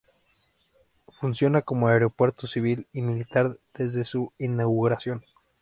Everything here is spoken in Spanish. Funciona como aeropuerto civil y militar desde su inauguración.